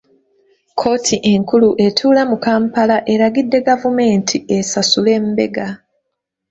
Kkooti enkulu etuula mu Kampala eragidde gavumenti esasule mbega.